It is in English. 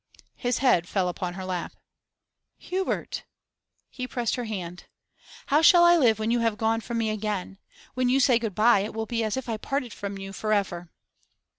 His head fell upon her lap. 'Hubert!' He pressed her hand. 'How shall I live when you have gone from me again? When you say good bye, it will be as if I parted from you for ever.